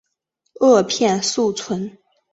萼片宿存。